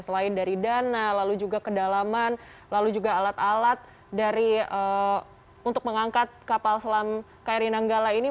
selain dari dana lalu juga kedalaman lalu juga alat alat untuk mengangkat kapal selam kri nanggala ini